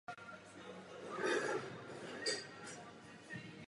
Jsou to zdaleka největší záchranné lodě ponorek na světě.